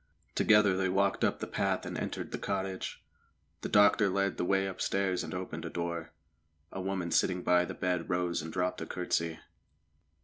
Together they walked up the path and entered the cottage. The doctor led the way upstairs and opened a door. A woman sitting by the bed rose and dropped a curtsey.